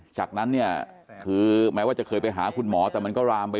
จากนั้นเนี่ยคือแม้ว่าจะเคยไปหาคุณหมอแต่มันก็รามไป